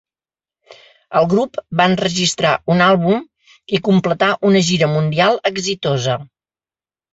El grup va enregistrar un àlbum i completà una gira mundial exitosa.